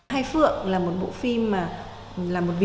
hai phượng đã trở thành một cơ hội để điện ảnh việt nam vươn tầm ra thế giới